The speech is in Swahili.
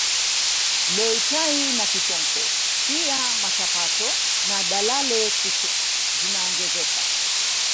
Loitai na Kisonko pia Matapato na Dalalekutuk zinaongezeka